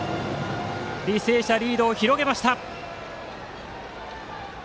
履正社がリードを広げました。